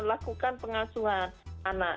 melakukan pengasuhan anak